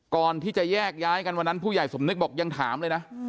ก่อนที่จะแยกย้ายกันวันนั้นผู้ใหญ่สมนึกบอกยังถามเลยนะ